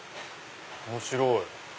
面白い。